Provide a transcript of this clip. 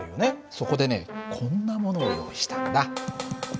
そこでねこんなものを用意したんだ。